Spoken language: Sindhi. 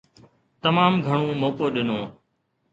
تمام گهڻو موقعو ڏنو.